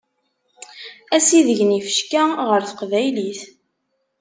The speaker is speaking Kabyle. Asideg n yifecka ɣer teqbaylit.